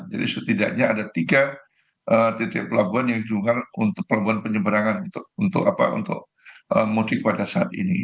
jadi setidaknya ada tiga titik pelabuhan yang diunggah untuk pelabuhan penyeberangan untuk mudik pada saat ini